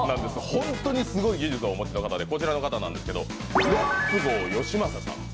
ホントにすごい技術をお持ちの方でこちらの方なんですけど、レッツゴーよしまささん。